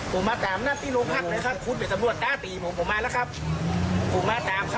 ผมมาตามคำนัดไว้ครับผม